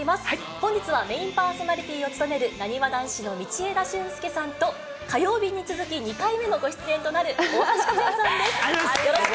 本日は、メインパーソナリティーを務めるなにわ男子の道枝駿佑さんと、火曜日に続き２回目のご出演となる大橋和也さんです。